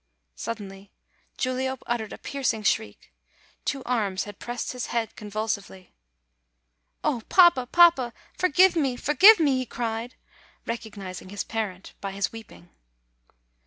Suddenly Guilio uttered a piercing shriek; two arms had pressed his head convulsively. "Oh, papa, papa! forgive me, forgive me!" he cried, recognizing his parent by his weeping.